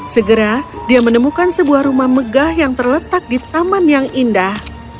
segera dia menemukan sebuah rumah megah yang terletak di taman yang indah